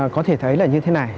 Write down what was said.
có thể thấy là như thế này